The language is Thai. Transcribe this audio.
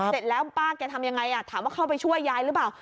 เสร็จแล้วป้าแกทำยังไงถามว่าเข้าไปช่วยยายหรือเปล่า